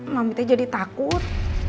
mami teh jadi takut